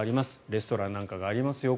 レストランなんかがありますよ